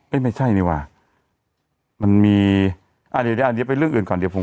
ไม่ใช่นี่ว่ะมันมีอ่าเดี๋ยวเดี๋ยวไปเรื่องอื่นก่อนเดี๋ยวผม